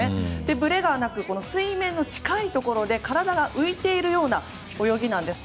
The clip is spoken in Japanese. ぶれがなく水面の近いところで体が浮いているような泳ぎなんです。